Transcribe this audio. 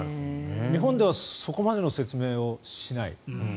日本ではそこまでの説明をしない。